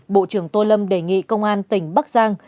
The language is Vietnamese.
bộ trưởng tô lâm đề nghị công an tỉnh bắc giang